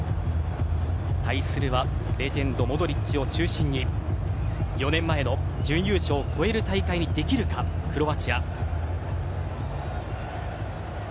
対するはレジェンド、モドリッチを中心に４年前の準優勝を超える大会にできるかクロアチア。